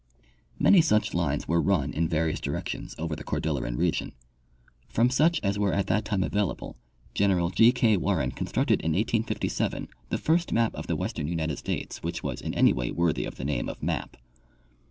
Many such lines were run in various directions over the Cordilleran region. " From such as were at that time available. General G. K. Warren constructed in 1857 the first map of the western United States which was in any way worthy of the name of map.